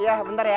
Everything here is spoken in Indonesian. iya bentar ya